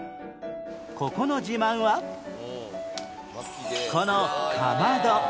ここの自慢はこのかまど